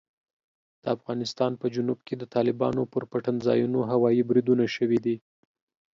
د افغانستان په جنوب کې د طالبانو پر پټنځایونو هوايي بریدونه شوي دي.